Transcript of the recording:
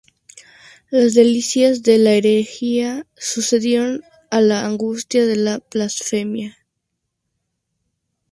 Las delicias de la herejía sucedieron a las angustias de la blasfemia.